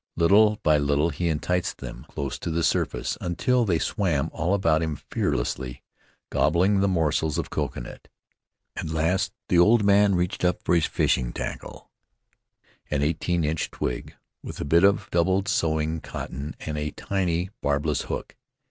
Little by little he enticed them close to the surface, until they swam all about him fearlessly, gobbling the morsels of coconut. At last the old man reached up for his fishing tackle — an eighteen inch twig, with a bit of doubled sewing cotton and a tiny barbless hook.